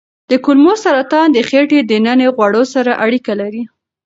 د کولمو سرطان د خېټې دننه غوړو سره اړیکه لري.